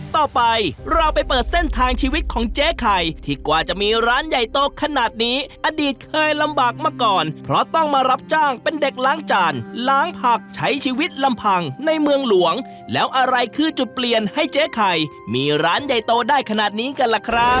ต่อไปเราไปเปิดเส้นทางชีวิตของเจ๊ไข่ที่กว่าจะมีร้านใหญ่โตขนาดนี้อดีตเคยลำบากมาก่อนเพราะต้องมารับจ้างเป็นเด็กล้างจานล้างผักใช้ชีวิตลำพังในเมืองหลวงแล้วอะไรคือจุดเปลี่ยนให้เจ๊ไข่มีร้านใหญ่โตได้ขนาดนี้กันล่ะครับ